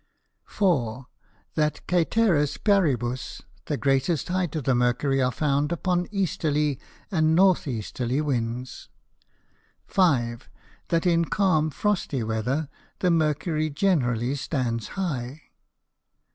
4. That cæteris paribus the greatest heights of the Mercury are found upon Easterly and North Easterly Winds. 5. That in calm frosty Weather the Mercury generally stands high.